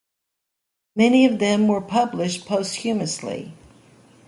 Many of them were published posthumously.